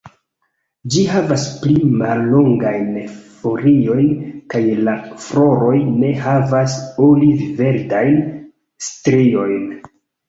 Ĝi havas pli mallongajn foliojn kaj la floroj ne havas oliv-verdajn striojn.